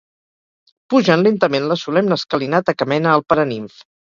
Pugen lentament la solemne escalinata que mena al Paranimf.